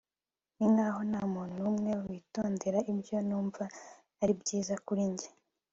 ninkaho ntamuntu numwe witondera ibyo numva aribyiza kuri njye